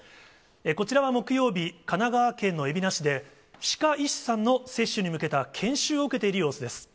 こちらは木曜日、神奈川県の海老名市で、歯科医師さんの接種に向けた研修を受けている様子です。